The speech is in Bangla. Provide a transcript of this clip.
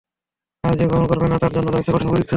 আর যে গ্রহণ করবে না তার জন্য রয়েছে কঠিন পরীক্ষা।